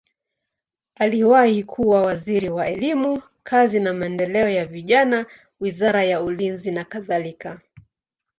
Aliwahi kuwa waziri wa elimu, kazi na maendeleo ya vijana, wizara ya ulinzi nakadhalika.